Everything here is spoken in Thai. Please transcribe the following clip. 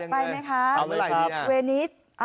ไปไหมคะเวนิส